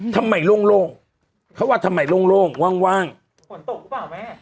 ทำไมโล่งโล่งเขาว่าทำไมโล่งโล่งว่างว่างผลตกหรือเปล่าแม่